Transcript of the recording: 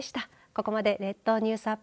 ここまで列島ニュースアップ